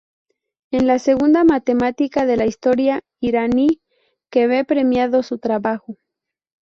Es la segunda matemática de la historia iraní que ve premiado su trabajo.